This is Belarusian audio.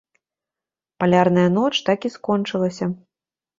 Палярная ноч такі скончылася.